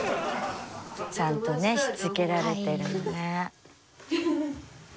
ちゃんとねしつけられてるのね。